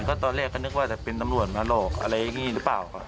ก็ตอนแรกก็นึกว่าจะเป็นตำรวจมาหลอกอะไรอย่างนี้หรือเปล่าครับ